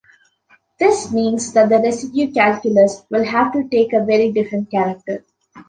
This means that the residue calculus will have to take a very different character.